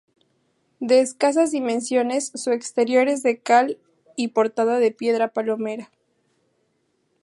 De escasas dimensiones, su exterior es de cal y portada de piedra palomera.